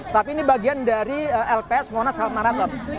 tapi ini bagian dari lps monas hal maraton